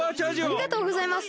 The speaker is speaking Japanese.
ありがとうございます！